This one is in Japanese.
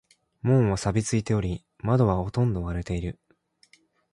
門は錆びついており、窓はほとんど割れている。